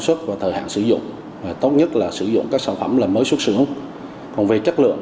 xuất và thời hạn sử dụng tốt nhất là sử dụng các sản phẩm là mới xuất xưởng còn về chất lượng